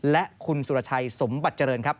และคุณสุรชัยสมบัติเจริญครับ